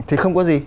thì không có gì